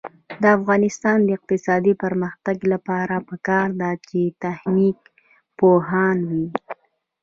د افغانستان د اقتصادي پرمختګ لپاره پکار ده چې تخنیک پوهان وي.